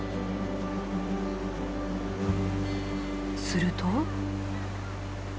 すると。